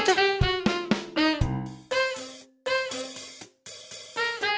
tidak ada apa apa